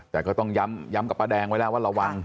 แต่ก็ต้องย้ำกับป้าแดงไว้แล้วว่าระวัง